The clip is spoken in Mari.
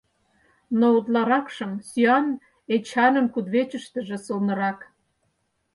Но утларакшым сӱан Эчанын кудывечыштыже сылнырак.